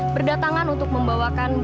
berdatangan untuk mengucapkan salam